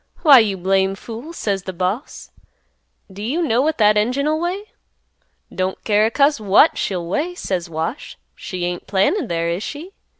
'Why you blame fool,' says the boss; 'do you know what that engine'll weigh?" "'Don't care a cuss what she'll weigh,' says Wash. 'She ain't planted there, is she?